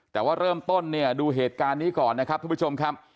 แต่ว่าเริ่มต้นเนี่ยดูเหตุการณ์นี้ก่อนนะครับทุกผู้ชมครับ